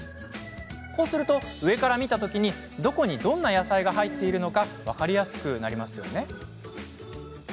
こうすると上から見た時にどこに、どんな野菜が入っているのか分かりやすくなりますよね。